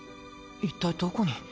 一体どこに？